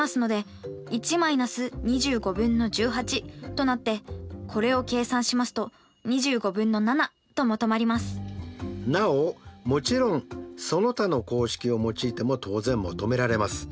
となってこれを計算しますとなおもちろんその他の公式を用いても当然求められます。